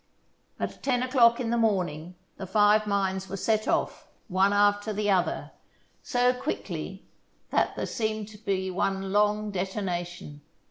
At ten o'clock in the morning the five mines were set off, one after the other, so quickly that there seemed to be one long detonation.